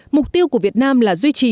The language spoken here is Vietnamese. mục tiêu của việt nam là duy trì